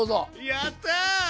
やった！